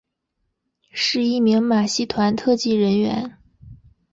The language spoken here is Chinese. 是一名马戏团特技人员。